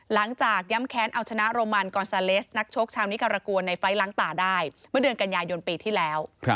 หลังจากย้ำแค้นเอาชนะโรมันกอนซาเลสนักชกชาวนิการกวนในไฟล์ล้างตาได้เมื่อเดือนกันยายนปีที่แล้ว